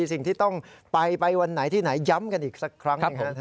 สิ่งที่ต้องไปไปวันไหนที่ไหนย้ำกันอีกสักครั้งหนึ่ง